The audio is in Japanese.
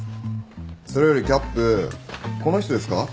それよりキャップこの人ですか？